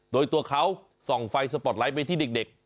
โดยตัวเขาส่องไฟสปอร์ตไลท์ไปที่เด็ก